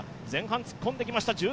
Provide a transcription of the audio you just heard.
前半突っ込んできました